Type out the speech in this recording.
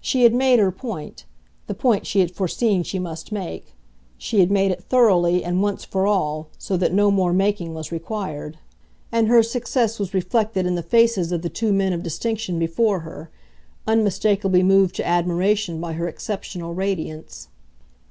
She had made her point, the point she had foreseen she must make; she had made it thoroughly and once for all, so that no more making was required; and her success was reflected in the faces of the two men of distinction before her, unmistakably moved to admiration by her exceptional radiance.